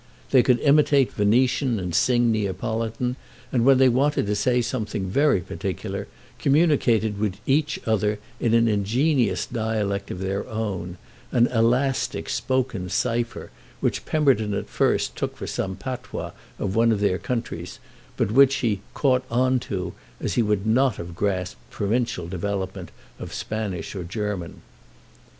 They could imitate Venetian and sing Neapolitan, and when they wanted to say something very particular communicated with each other in an ingenious dialect of their own, an elastic spoken cipher which Pemberton at first took for some patois of one of their countries, but which he "caught on to" as he would not have grasped provincial development of Spanish or German.